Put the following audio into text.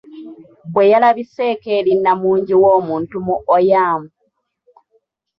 Bwe yalabiseeko eri namungi w'omuntu mu Oyam.